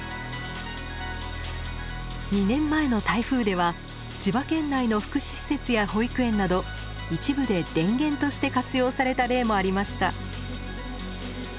２年前の台風では千葉県内の福祉施設や保育園など一部で電源として活用された例もありました。